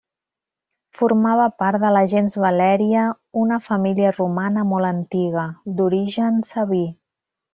Formava part de la gens Valèria, una família romana molt antiga, d'origen sabí.